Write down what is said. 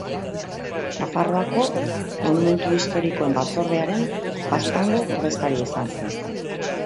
Nafarroako Monumentu Historikoen Batzordearen Baztango ordezkaria izan zen.